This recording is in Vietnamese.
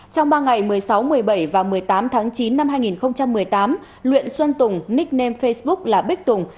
trong ba ngày một mươi sáu một mươi bảy và một mươi tám tháng chín năm hai nghìn một mươi tám luyện xuân tùng nicknam facebook là bích tùng